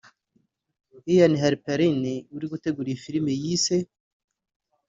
Ian Halperin uri gutegura iyi filime yise